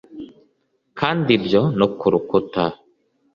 kandi ibyo no ku rukuta